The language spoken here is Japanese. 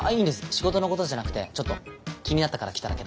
仕事のことじゃなくてちょっと気になったから来ただけなんで。